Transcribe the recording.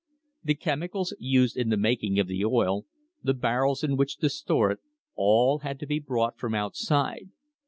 The chemicals used in the making of the oil, the barrels in which to store it — all had to be brought from outside.